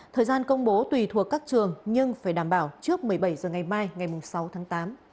thời gian công bố tùy thuộc các trường nhưng phải đảm bảo trước một mươi bảy h ngày mai ngày sáu tháng tám